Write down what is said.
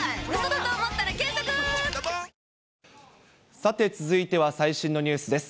さて続いては、最新のニュースです。